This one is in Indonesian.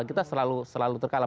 kita selalu terkalah